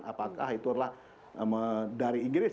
apakah itu adalah dari inggris